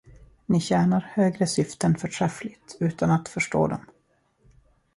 Ni tjänar högre syften förträffligt utan att förstå dem.